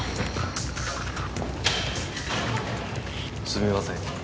すみません。